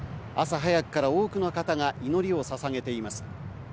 朝早くから多くの方が祈りをささげています。